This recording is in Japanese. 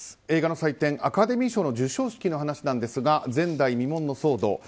映画の祭典、アカデミー賞の授賞式の話なんですが前代未聞の騒動。